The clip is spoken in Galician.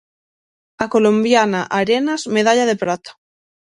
A colombiana Arenas, medalla de prata.